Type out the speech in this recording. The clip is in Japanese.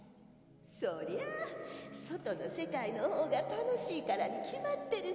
そりゃ外の世界の方が楽しいからに決まってるだニャ。